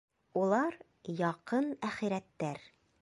Улар яҡын әхирәттәр.